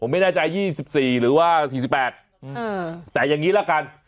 ผมไม่น่าใจยี่สิบสี่หรือว่าสี่สิบแปดอืมแต่อย่างงี้ละกัน